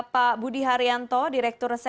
pak budi haryanto direktur sese kriminal umum